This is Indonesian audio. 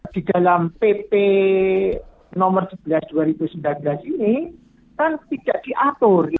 di dalam pp nomor sebelas dua ribu sembilan belas ini kan tidak diatur